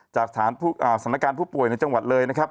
จากสถานการณ์ผู้ป่วยในจังหวัดเลยนะครับ